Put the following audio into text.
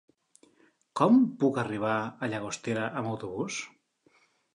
Com puc arribar a Llagostera amb autobús?